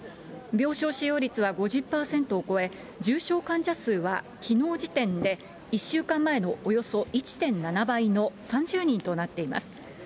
病床使用率は５０％を超え、重症患者数はきのう時点で、１週間前のおよそ１．７倍の３０人となっています。